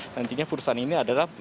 nantinya perusahaan ini adalah